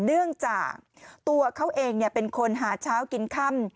เนื่องจากตัวเขาเองเป็นคนหาเช้ากินค่ำ